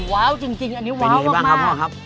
ว้าวจริงอันนี้ว้าวมากแล้วครับ